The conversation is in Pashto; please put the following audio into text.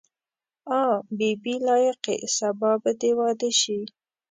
آ بي بي لایقې سبا به دې واده شي.